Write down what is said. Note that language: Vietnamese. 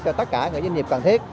cho tất cả doanh nghiệp cần thiết